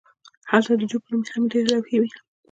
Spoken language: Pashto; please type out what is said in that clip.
هلته د جو په نوم هم ډیرې لوحې وې